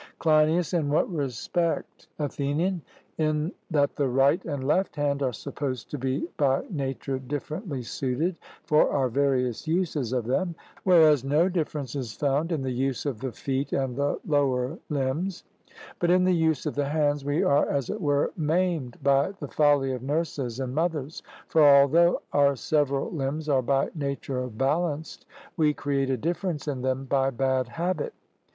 CLEINIAS: In what respect? ATHENIAN: In that the right and left hand are supposed to be by nature differently suited for our various uses of them; whereas no difference is found in the use of the feet and the lower limbs; but in the use of the hands we are, as it were, maimed by the folly of nurses and mothers; for although our several limbs are by nature balanced, we create a difference in them by bad habit.